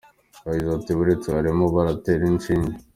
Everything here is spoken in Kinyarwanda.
Yagize ati :” buretse barimo barantera inshinge”.